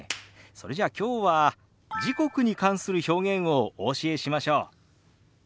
それじゃあきょうは時刻に関する表現をお教えしましょう。